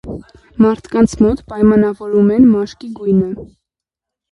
Մարդկանց մոտ պայմանավորում են մաշկի գույնը։